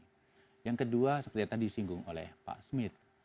dan yang kedua seperti yang tadi disinggung oleh pak smith